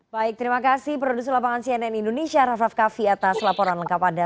baik terima kasih produsen lapangan cnn indonesia raffa fkafi atas laporan lengkap ada